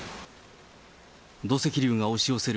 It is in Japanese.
土石流が押し寄せる